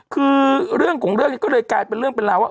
คือเรื่องของเรื่องนี้ก็เลยกลายเป็นเรื่องเป็นราวว่า